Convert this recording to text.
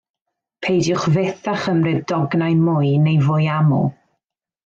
Peidiwch fyth â chymryd dognau mwy neu fwy aml